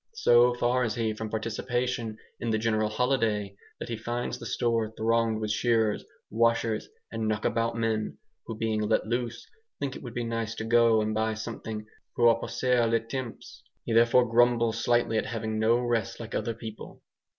So far is he from participation in the general holiday that he finds the store thronged with shearers, washers, and "knock about men," who being let loose, think it would be nice to go and buy something "pour passer le temps." He therefore grumbles slightly at having no rest like other people.